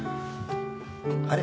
あれ？